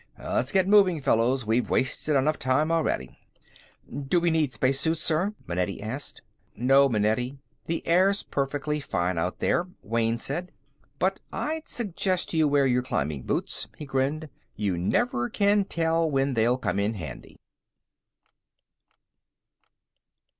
"Let's get moving, fellows. We've wasted enough time already." "Do we need spacesuits, sir?" Manetti asked. "No, Manetti. The air's perfectly fine out there," Wayne said. "But I'd suggest you wear your climbing boots." He grinned. "You never can tell when they'll come in handy."